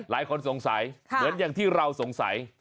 หลายคนสงสัยเหมือนอย่างที่เราสงสัย